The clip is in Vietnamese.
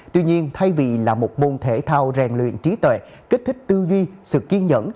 tuy nhiên thay vì là một môn thể thao rèn luyện trí tệ kích thích tư duy sự kiên nhẫn